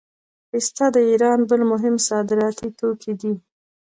پسته د ایران بل مهم صادراتي توکی دی.